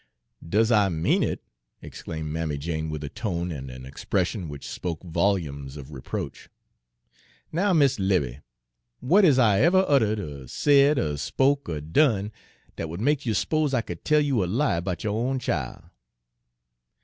"Does I mean it!" exclaimed Mammy Jane, with a tone and an expression which spoke volumes of reproach. "Now, Mis' 'Livy, what is I ever uttered er said er spoke er done dat would make you s'pose I could tell you a lie 'bout yo' own chile?"